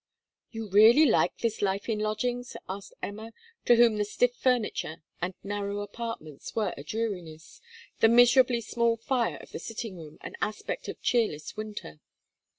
'You really like this life in lodgings?' asked Emma, to whom the stiff furniture and narrow apartments were a dreariness, the miserably small fire of the sitting room an aspect of cheerless winter.